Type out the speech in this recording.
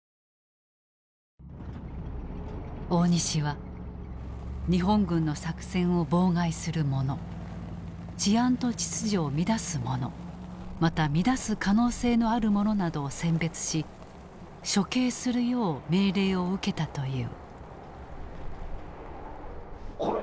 大西は日本軍の作戦を妨害する者治安と秩序を乱す者また乱す可能性のある者などを選別し処刑するよう命令を受けたという。